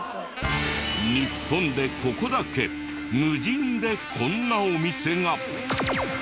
日本でここだけ無人でこんなお店が。